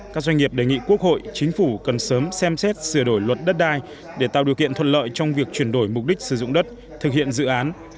các doanh nghiệp đề nghị quốc hội chính phủ cần sớm xem xét sửa đổi luật đất đai để tạo điều kiện thuận lợi trong việc chuyển đổi mục đích sử dụng đất thực hiện dự án